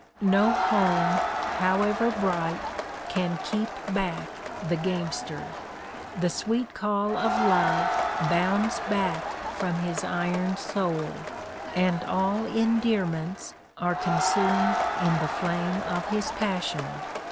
No home, however bright, can keep back the gamester. The sweet call of love bounds back from his iron soul, and all endearments are consumed in the flame of his passion.